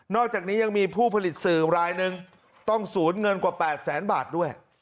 อกจากนี้ยังมีผู้ผลิตสื่อรายหนึ่งต้องสูญเงินกว่า๘แสนบาทด้วย